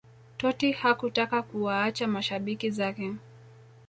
Totti hakutaka kuwaacha mashabiki zake